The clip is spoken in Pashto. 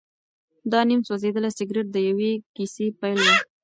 دا نیم سوځېدلی سګرټ د یوې کیسې پیل و.